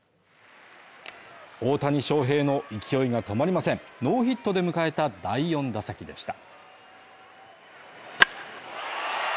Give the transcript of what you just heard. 大谷翔平の勢いが止まりませんノーヒットで迎えた第４打席でした。